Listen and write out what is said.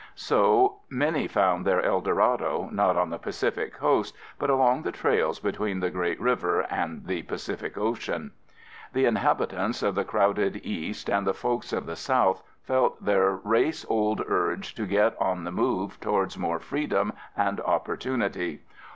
So, many found their El Dorado, not on the Pacific Coast but along the trails between the Great River and the Pacific Ocean. The inhabitants of the crowded East and the folks of the South felt their race old urge to get on the move towards more freedom and opportunity.